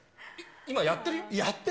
やってる？